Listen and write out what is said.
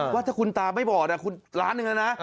ว่าถ้าคุณตาไม่บอดคุณล้านหนึ่งแล้วนะ